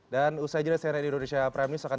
dan usai jedah seri indonesia premius akan